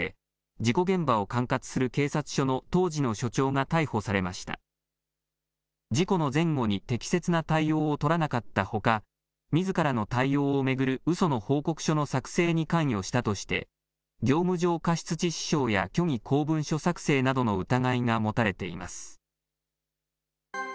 事故の前後に適切な対応を取らなかったほか、みずからの対応を巡るうその報告書の作成に関与したとして、業務上過失致死傷や虚偽公文書作成などの疑いが持たれています。